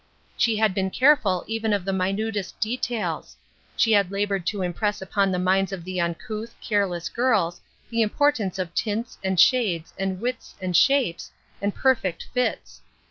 She had been careful even of the minutest de tails ; she had labored to impress upon the minds of the uncouth, careless girls the importance of tints, and shades, and widths, and shapes, and per fect fits.